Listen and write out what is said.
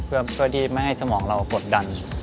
เพื่อที่ไม่ให้สมองเรากดดัน